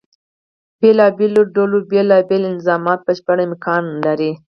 بېلابېلو ډلو بیلا بیل انظامات بشپړ امکان لري.